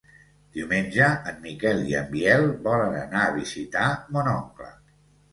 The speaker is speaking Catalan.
Diumenge en Miquel i en Biel volen anar a visitar mon oncle.